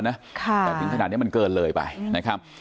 แต่ถึงขนาดนี้มันเกินเลยไปนะครับ